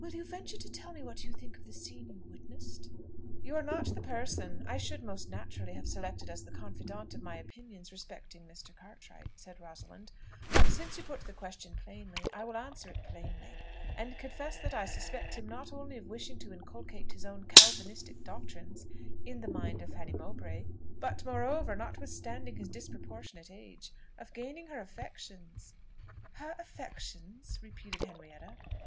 "Will you venture to tell me what you think of the scene you witnessed?" "You are not the person I should most naturally have selected as the confidant of my opinions respecting Mr. Cartwright," said Rosalind; "but since you put the question plainly I will answer it plainly, and confess that I suspect him not only of wishing to inculcate his own Calvinistic doctrines on the mind of Fanny Mowbray, but moreover, notwithstanding his disproportionate age, of gaining her affections." "Her affections?" repeated Henrietta.